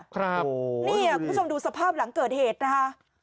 ครับโอ้โฮดูดินี่คุณผู้ชมดูสภาพหลังเกิดเหตุนะคะ